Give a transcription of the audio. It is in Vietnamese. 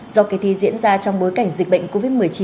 do kỳ thi diễn ra trong bối cảnh dịch bệnh covid một mươi chín